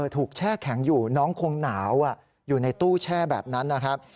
แช่แข็งอยู่น้องคงหนาวอยู่ในตู้แช่แบบนั้นนะครับ